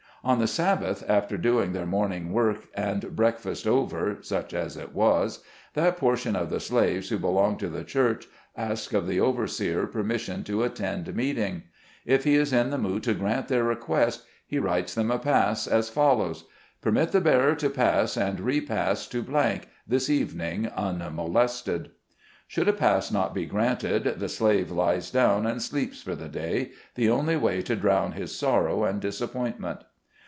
On the Sabbath, after doing their morning work, and breakfast over (such as it was), that portion of the slaves who belong to the church ask of the over seer permission to attend meeting. If he is in the mood to grant their request, he writes them a pass, as follows :—" Permit the bearer to pass and repass to , this evening, unmolested." Should a pass not be granted, the slave lies down, and sleeps for the day — the only way to drown his sorrow and disappointment.